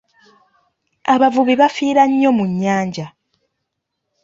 Abavubi bafiira nnyo mu nnyanja.